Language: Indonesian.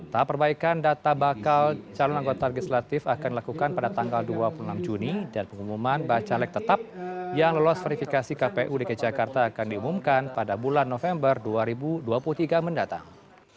tahap perbaikan data bakal calon anggota legislatif akan dilakukan pada tanggal dua puluh enam juni dan pengumuman bacalek tetap yang lolos verifikasi kpu dki jakarta akan diumumkan pada bulan november dua ribu dua puluh tiga mendatang